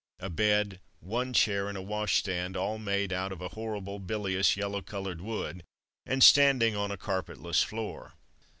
A bed, one chair, and a washstand, all made out of a horrible, bilious, yellow coloured wood, and standing on a carpetless floor.